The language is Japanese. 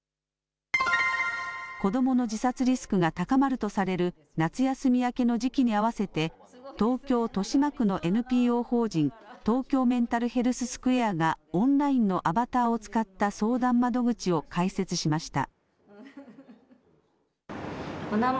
子どもの自殺リスクが高まるとされる夏休み明けの時期に合わせて、東京・豊島区のＮＰＯ法人東京メンタルヘルス・スクエアがオンラインのアバターを使った相談窓口を開設しました。